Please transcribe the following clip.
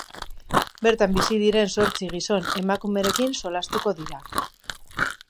Bertan bizi diren zortzi gizon-emakumerekin solastatuko dira.